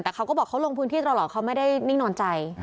แต่เขาก็บอกเขาลงพื้นที่ตลอดเขาไม่ได้นิ่งนอนใจ